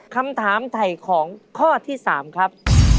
คำถามไถ่ของข้อที่๓ครับ